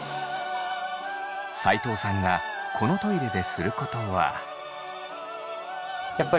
斎藤さんがこのトイレですることは。